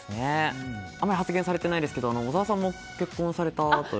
あんまり発言されていないですけど小澤さんも結婚されたと。